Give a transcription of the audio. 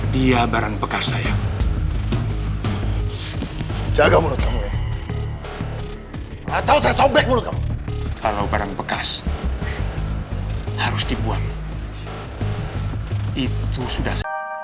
dia barang bekas saya jaga mulut kamu atau saya sobek mulut dong kalau barang bekas harus dibuang itu sudah